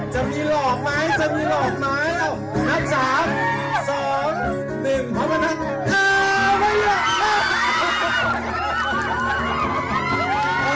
จะมีหลอกมั้ยจะมีหลอกมั้ยเอ้านับสามสองหนึ่งเพราะมันอ้าว